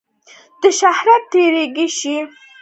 د شهرت تږی شي.